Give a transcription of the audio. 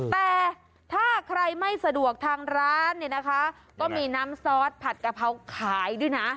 แต่ถ้าใครไม่สะดวกทางร้านเนี่ยนะคะก็มีน้ำซอสผัดกะเพราขายด้วยนะ